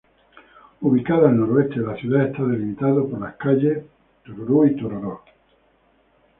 Ubicado al noroeste de la ciudad, está delimitado por las calles Av.